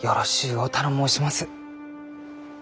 お頼申します。